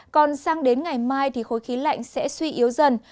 còn sang đến ngày mai thì khối khí lạnh sẽ suy yếu dần